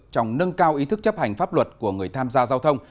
trong nâng cao ý thức chấp hành pháp luật của người tham gia giao thông